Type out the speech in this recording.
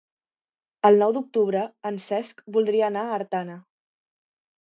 El nou d'octubre en Cesc voldria anar a Artana.